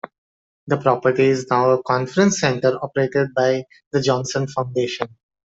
The property is now a conference center operated by The Johnson Foundation.